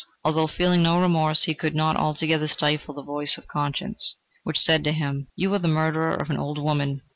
Although feeling no remorse, he could not altogether stifle the voice of conscience, which said to him: "You are the murderer of the old woman!"